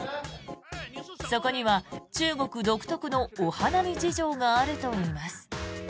そこには中国独特のお花見事情があるといいます。